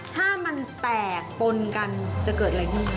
ถ้ามันแตกปนกันจะเกิดอะไรอย่างนี้